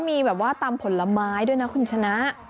มีแบบว่าตำผลไม้ด้วยนะคุณชนะ